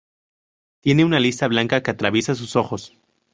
Tiene una lista blanca que atraviesa sus ojos.